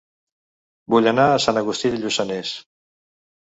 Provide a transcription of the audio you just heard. Vull anar a Sant Agustí de Lluçanès